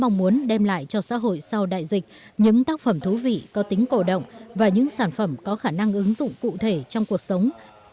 các nhà thiết kế mong muốn đem lại cho xã hội sau đại dịch những tác phẩm thú vị có tính cổ động và những sản phẩm có khả năng ứng dụng cụ thể trong cuộc sống